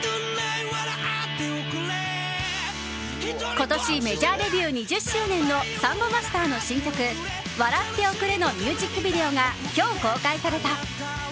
今年メジャーデビュー２０周年のサンボマスターの新曲「笑っておくれ」のミュージックビデオが今日、公開された。